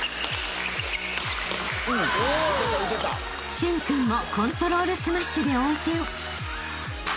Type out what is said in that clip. ［駿君もコントロールスマッシュで応戦］